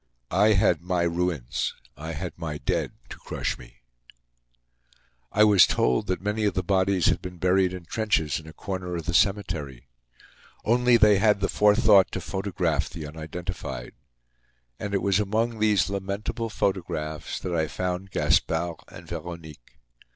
I had my ruins, I had my dead, to crush me. I was told that many of the bodies had been buried in trenches in a corner of the cemetery. Only, they had had the forethought to photograph the unidentified. And it was among these lamentable photographs that I found Gaspard and Veronique.